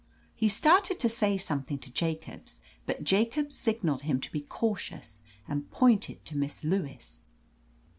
He started to say something to Jacobs, but Jacobs signaled him to be cautious and pointed to Miss Lewis.